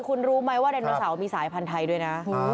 คุณรู้ไหมว่าไดโนเสาร์มีสายพันธุ์ไทยด้วยนะ